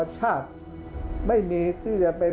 ภาคอีสานแห้งแรง